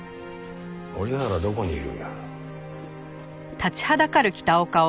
折原どこにいる？